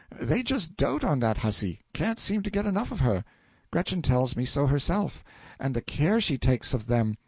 They just dote on that hussy can't seem to get enough of her. Gretchen tells me so herself. And the care she takes of them!